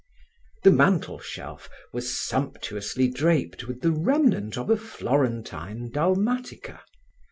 The mantel shelf was sumptuously draped with the remnant of a Florentine dalmatica.